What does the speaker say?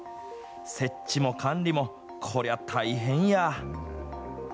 設置も管理もこりゃ大変や。